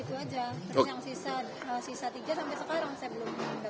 itu aja terus yang sisa tiga sampai sekarang saya belum